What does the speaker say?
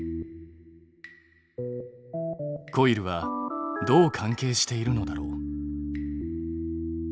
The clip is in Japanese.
コイルはどう関係しているのだろう？